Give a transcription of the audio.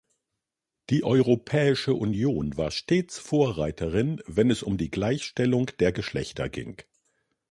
Die Europäische Union war stets Vorreiterin, wenn es um die Gleichstellung der Geschlechter ging.